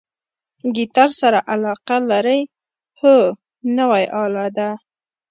ګیتار سره علاقه لرئ؟ هو، نوی آله ده